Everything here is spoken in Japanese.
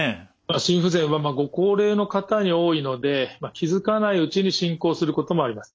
心不全はご高齢の方に多いので気付かないうちに進行することもあります。